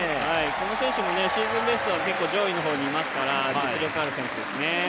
この選手もシーズンベストは上位の方にいますから実力がある選手ですね。